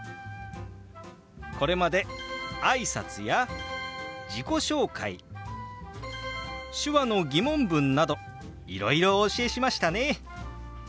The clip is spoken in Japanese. これまで挨拶や自己紹介手話の疑問文などいろいろお教えしましたね。